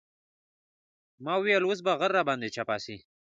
ما ويل اوس به غر راباندې چپه سي.